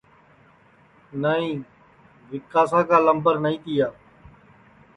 نائی ویکاسا کا لمبر نائی تیا